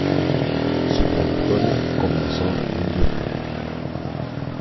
Su trayectoria comenzó en Utah.